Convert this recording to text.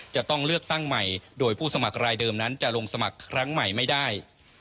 จะต้องเลือกตั้งใหม่โดยผู้สมัครรายเดิมนั้นจะลงสมัครครั้งใหม่ไม่ได้